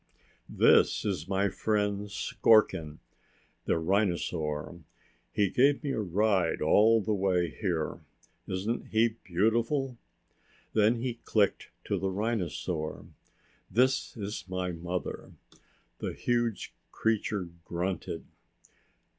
"This is my friend Skorkin, the rhinosaur. He gave me a ride all the way here. Isn't he beautiful?" Then he clicked to the rhinosaur, "This is my mother." The huge creature grunted.